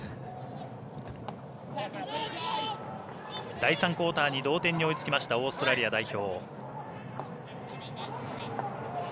第３クオーターに同点に追いつきましたオーストラリア代表。